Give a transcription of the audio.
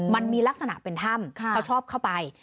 มันมีลักษณะเป็นถ้ำเขาชอบเข้าไป